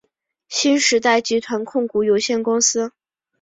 新时代集团控股有限公司。